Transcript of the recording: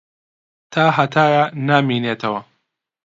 تاھەتایە نامێنێتەوە.